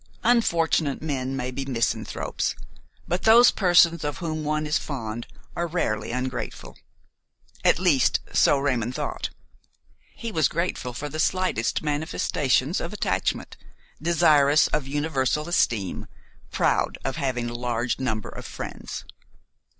Unfortunate men may be misanthropes, but those persons of whom one is fond are rarely ungrateful; at least so Raymon thought. He was grateful for the slightest manifestations of attachment, desirous of universal esteem, proud of having a large number of friends.